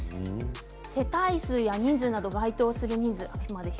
世帯数、人数などの該当する人数ですね。